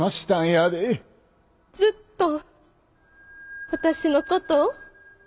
ずっと私のことを？